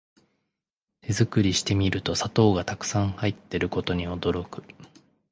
手作りしてみると砂糖がたくさん入ってることに驚く